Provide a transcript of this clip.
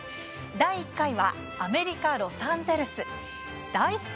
第１回はアメリカ・ロサンゼルス。